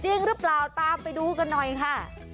จริงหรือเปล่าตามไปดูกันหน่อยค่ะ